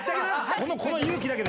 この勇気だけで！